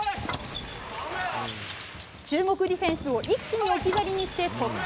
中国ディフェンスを一気に置き去りにして得点。